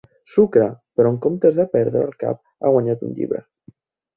Sucre, però que en comptes de perdre el cap ha guanyat un llibre.